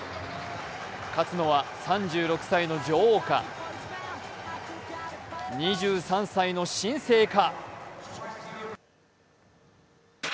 勝つのは３６歳の女王か、２３歳の新星か。